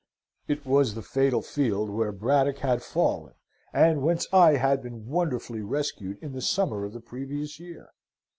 It was the fatal field where Braddock had fallen, and whence I had been wonderfully rescued in the summer of the previous year.